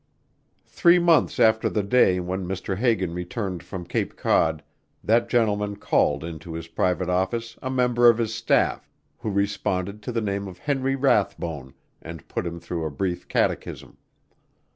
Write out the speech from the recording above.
Three months after the day when Mr. Hagan returned from Cape Cod, that gentleman called into his private office a member of his staff, who responded to the name of Henry Rathbone, and put him through a brief catechism.